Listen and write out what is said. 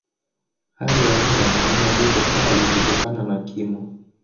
Hali ya hewa haina joto kali kutokana na kimo.